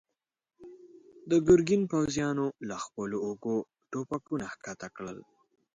د ګرګين پوځيانو له خپلو اوږو ټوپکونه کښته کړل.